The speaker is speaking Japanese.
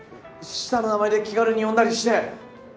下の名前で気軽に呼んだりして！